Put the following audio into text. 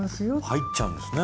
入っちゃうんですね